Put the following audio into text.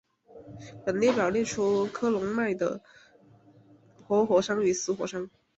本列表列出喀麦隆的活火山与死火山。